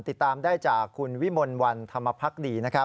ติดตามได้จากคุณวิมนต์วันธรรมพักษ์ดี